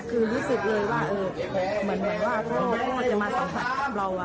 คือรู้สึกเลยว่ามันว่าพวกเขาจะมาสัมผัสเรา